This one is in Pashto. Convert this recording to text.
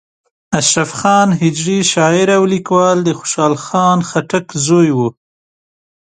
اشرف خان هجري شاعر او لیکوال د خوشحال خان خټک زوی و.